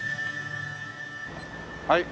はい。